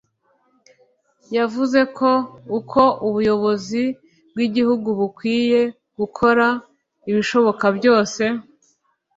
yavuze ko uko ubuyobozi bw’ibihugu bukwiye gukora ibishoboka byose